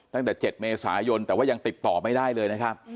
ตั้งแต่๗เมษายนแต่ว่ายังติดต่อไม่ได้เลยนะครับ